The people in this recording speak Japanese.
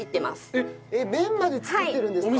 えっ麺まで作ってるんですか？